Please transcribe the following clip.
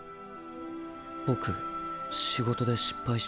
僕仕事で失敗したんです。